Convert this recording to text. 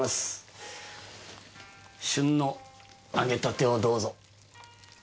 旬の揚げたてをどうぞ。